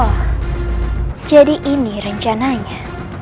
oh jadi ini rencananya